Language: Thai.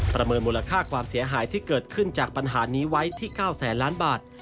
เมินมูลค่าความเสียหายที่เกิดขึ้นจากปัญหานี้ไว้ที่๙แสนล้านบาท